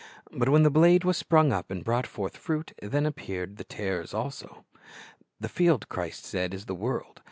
But when the blade was sprung up, and brought forth fruit, then appeared the tares also." "The field," Christ said, "is the world."